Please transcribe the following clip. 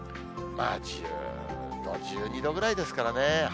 １０度、１２度ぐらいですからね。